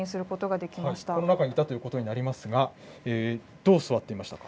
この中にいたということになりますが、どう座っていましたか。